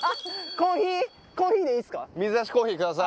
コーヒーでいいですか？